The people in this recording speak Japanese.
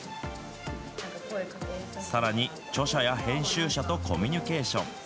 さらに著者や編集者とコミュニケーション。